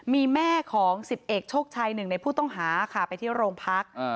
มีแม่ของ๑๐เอกชกชัย๑ในผู้ต้องหาขาไปที่โรงพัก